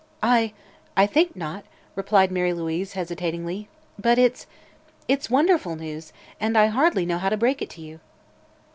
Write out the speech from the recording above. "_ "I I think not," replied Mary Louise, hesitatingly; "but it's it's wonderful news, and I hardly know how to break it to you."